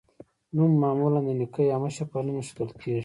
نوم معمولا د نیکه یا مشر په نوم ایښودل کیږي.